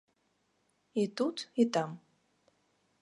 І тут, і там.